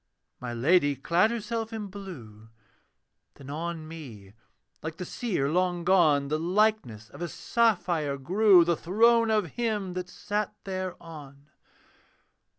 My Lady clad herself in blue, Then on me, like the seer long gone, The likeness of a sapphire grew, The throne of him that sat thereon.